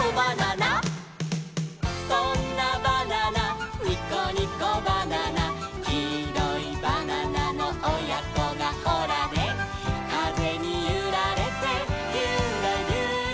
「そんなバナナニコニコバナナ」「きいろいバナナのおやこがホラネ」「かぜにゆられてユラユラ」